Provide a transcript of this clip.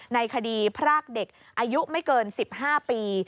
ในคดีพรากเด็กอายุไม่เกิน๑๕ปี